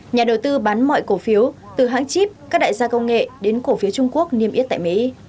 nhà đầu tư bán mọi cổ phiếu từ hãng chip các đại gia công nghệ đến cổ phiếu trung quốc niêm yết tại mỹ